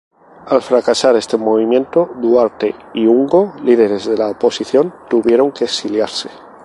Al fracasar este movimiento, Duarte y Ungo, líderes de la oposición, tuvieron que exiliarse.